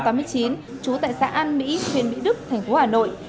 trú tại xã an mỹ huyện mỹ đức tp hà nội